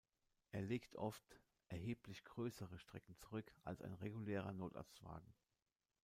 Er legt oft erheblich größere Strecken zurück als ein regulärer Notarztwagen.